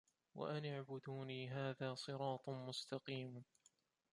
وَأَنِ اعبُدوني هذا صِراطٌ مُستَقيمٌ